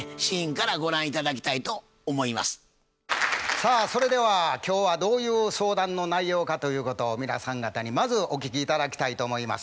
さあそれでは今日はどういう相談の内容かということを皆さん方にまずお聞き頂きたいと思います。